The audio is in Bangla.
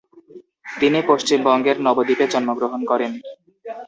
তিনি পশ্চিমবঙ্গের নবদ্বীপে জন্মগ্রহণ করেন।